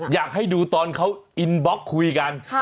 อยากให้ดูตอนเขาอินบล็อกคุยกัน